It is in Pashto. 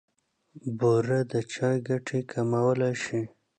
بوره د چای ګټې کمولای شي.